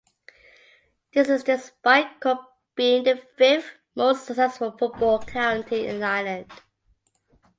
This is despite Cork being the fifth most successful football county in Ireland.